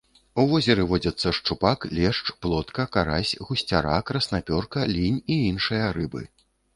У возеры водзяцца шчупак, лешч, плотка, карась, гусцяра, краснапёрка, лінь і іншыя рыбы.